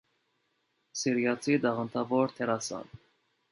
Սիրիացի տաղանդավոր դերասան։